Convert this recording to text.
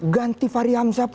ganti fahri hamzah pun